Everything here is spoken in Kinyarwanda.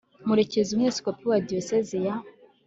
MUREKEZI Umwepisikopi wa Diyoseze ya